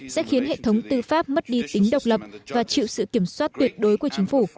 sẽ khiến hệ thống tư pháp mất đi tính độc lập và chịu sự kiểm soát tuyệt đối của chính phủ